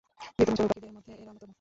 বৃহত্তম চড়ুই পাখিদের মধ্যে এরা অন্যতম।